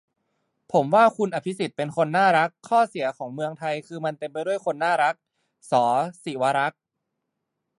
"ผมว่าคุณอภิสิทธิ์เป็นคนน่ารัก ข้อเสียของเมืองไทยคือมันเต็มไปด้วยคนน่ารัก" - ส.ศิวรักษ์